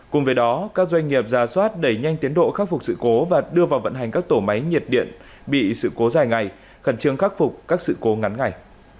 cùng với đó các doanh nghiệp ra soát đẩy nhanh tiến độ khắc phục sự cố và đưa vào vận hành các tổ máy nhiệt điện bị sự cố dài ngày khẩn trương khắc phục các sự cố ngắn ngày